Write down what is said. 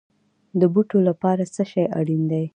د بوټو لپاره څه شی اړین دی؟